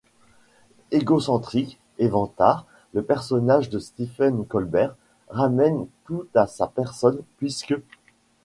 Égocentrique et vantard, le personnage de Stephen Colbert ramène tout à sa personne, puisqu'.